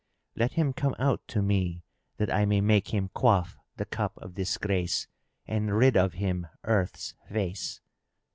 Let him come out to me, that I may make him quaff the cup of disgrace and rid of him earth's face!"